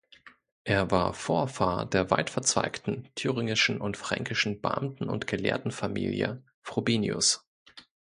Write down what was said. Er war Vorfahr der weitverzweigten thüringischen und fränkischen Beamten- und Gelehrtenfamilie Frobenius.